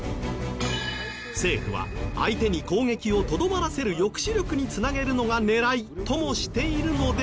政府は相手に攻撃をとどまらせる抑止力につなげるのが狙いともしているのですが。